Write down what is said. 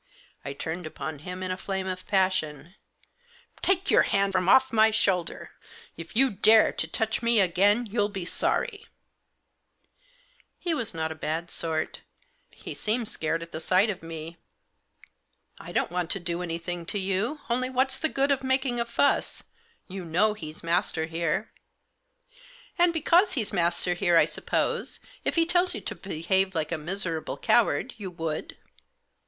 I turned upon him in a flame of passion. " Take your hand from off my shoulder 1 If you dare to touch me again you'll be sorry 1 v Digitized by AN INTERVIEW WITH MB. SLAUGHTER. 85 He was not a bad sort. He seemed scared at the sight of me. u I don't want to do anything to you. Only what's the good of making a fuss ? You know he's master here." " And, because he's master here, I suppose, if he tells you to behave like a miserable coward, you would